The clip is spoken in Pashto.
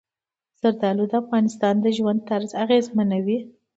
زردالو د افغانانو د ژوند طرز اغېزمنوي.